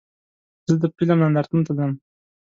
زه د فلم نندارتون ته ځم.